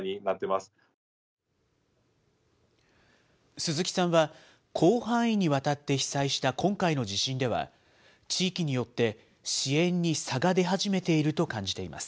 鈴記さんは広範囲にわたって被災した今回の地震では、地域によって支援に差が出始めていると感じています。